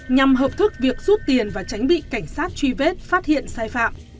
nhằm hợp thức việc rút tiền và tránh bị cảnh sát truy vết phát hiện sai phạm